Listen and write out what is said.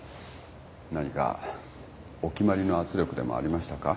何かお決まりの圧力でもありましたか？